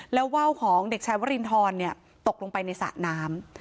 แล้วเว้าของเด็กชายวรีนทรเนี่ยตกลงไปในสระน้ำ